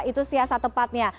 itu siasat tepatnya